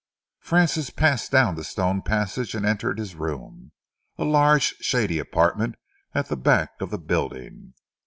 Francis passed down the stone passage and entered his room, a large, shady apartment at the back of the building.